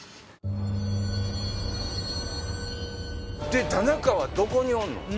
で田中はどこにおんの？